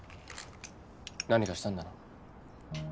何かしたんだな？